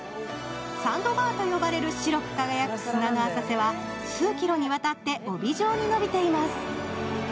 サンドバーと呼ばれる白く輝く砂の浅瀬は数キロにわたって帯状に伸びています。